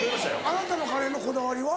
あなたのカレーのこだわりは？